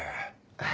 はい。